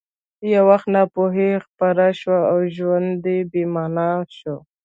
یو وخت ناپوهي خپره شوه او ژوند بې مانا شو